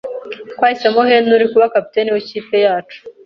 Twahisemo Henry kuba kapiteni w'ikipe yacu.